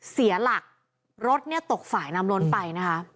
เสียหลักรถเนี่ยตกฝ่ายน้ำล้นไปนะคะ